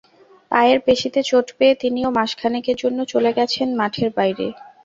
পায়ের পেশিতে চোট পেয়ে তিনিও মাস খানেকের জন্য চলে গেছেন মাঠের বাইরে।